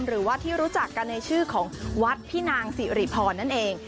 หรือว่าที่รู้จักกันในชื่อของ